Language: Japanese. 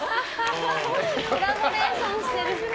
コラボレーションしてる。